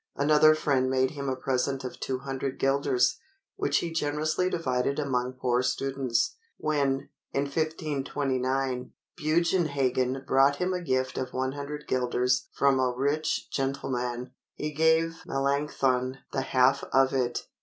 Another friend made him a present of 200 guilders, which he generously divided among poor students. When, in 1529, Bugenhagen brought him a gift of 100 guilders from a rich gentleman, he gave Melanchthon the half of it.